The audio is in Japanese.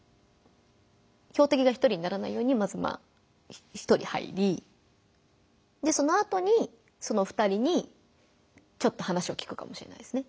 標的が１人にならないようにまずまあ１人入りそのあとにその２人にちょっと話を聞くかもしれないですね。